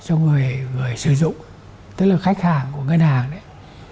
thuận lợi cho người sử dụng tức là khách hàng của ngân hàng đấy